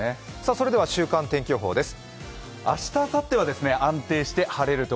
それでは週間天気予報です。